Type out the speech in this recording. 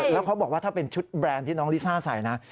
แล้วเขาบอกว่าถ้าเป็นชุดแบรนด์ที่น้องลิซ่าใส่นะ